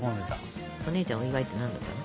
お姉ちゃんお祝いって何だったの？